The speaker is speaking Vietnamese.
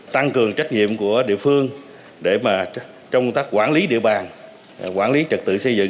tăng cường trách nhiệm của địa phương để công tác quản lý địa bàn quản lý trật tự xây dựng